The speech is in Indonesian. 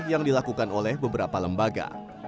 yang dilakukan oleh beberapa lembaga